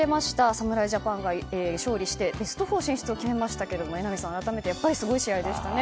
侍ジャパンが勝利してベスト４進出を決めましたけど榎並さん改めてすごい試合でしたね。